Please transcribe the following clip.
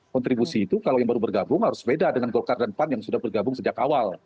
kontribusi itu kalau yang baru bergabung harus beda dengan golkar dan pan yang sudah bergabung sejak awal